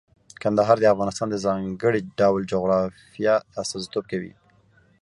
کندهار د افغانستان د ځانګړي ډول جغرافیه استازیتوب کوي.